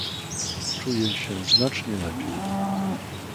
"Czuję się znacznie lepiej."